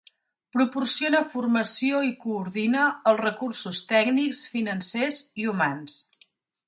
Proporciona formació i coordina els recursos tècnics, financers i humans.